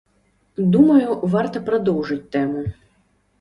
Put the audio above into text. Думаю, варта прадоўжыць тэму.